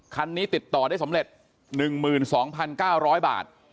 คันนี้ติดต่อได้สำเร็จ๑๒๙๐๐บาท